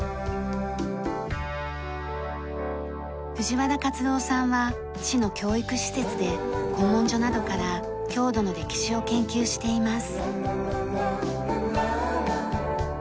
藤原勝郎さんは市の教育施設で古文書などから郷土の歴史を研究しています。